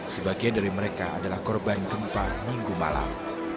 sebagian dari mereka adalah korban gempa minggu malam